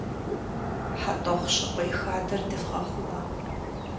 ХьэтӀохъущыкъуей хадэр дывгъэхъумэ!